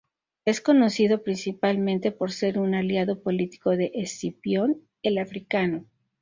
Es conocido principalmente por ser un aliado político de Escipión el Africano.